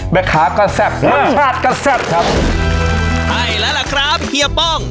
แบกคาก็แซ่บเหมือนชาติก็แซ่บครับใช่แล้วล่ะครับเฮียป้อง